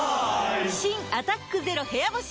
新「アタックＺＥＲＯ部屋干し」